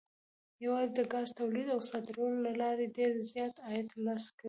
یوازې د ګازو تولید او صادرولو له لارې ډېر زیات عاید ترلاسه کوي.